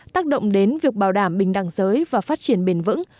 tác động đến việc bảo đảm bình đẳng giới và phát triển bền vững